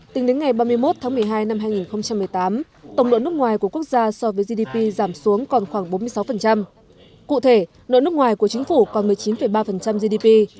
tính đến ngày ba mươi một tháng một mươi hai năm hai nghìn một mươi tám tổng nợ nước ngoài của quốc gia so với gdp giảm xuống còn khoảng bốn mươi sáu cụ thể nợ nước ngoài của chính phủ còn một mươi chín ba gdp